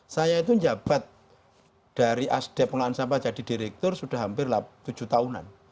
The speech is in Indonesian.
saya itu jabat dari aspek pengelolaan sampah jadi direktur sudah hampir tujuh tahunan